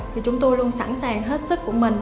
thì chúng tôi luôn sẵn sàng hết sức của mình